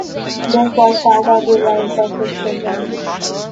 This was part of the White Buses program.